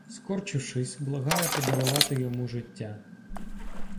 Скорчившись, благає подарувати йому життя.